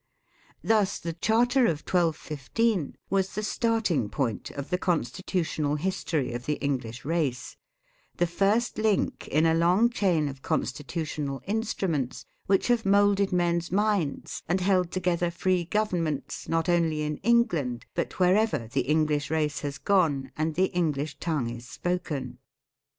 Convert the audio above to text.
Thus the Charter of 1215 was the starting point of the constitutional history of the English race, the first link in a long chain of constitutional instruments which have moulded men's minds and held together free governments not only in England but wherever the English race has gone and the English tongue is spoken.